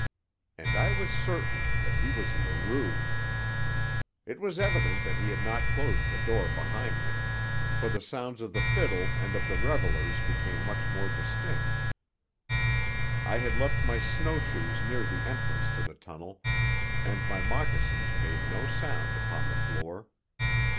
And I was certain that he was Leroux. It was evident that he had not closed the door behind him, for the sounds of the fiddle and of the revellers became much more distinct, I had left my snowshoes near the entrance to the tunnel, and my moccasins made no sound upon the floor.